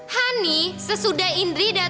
honey sesudah indri datang ke rumah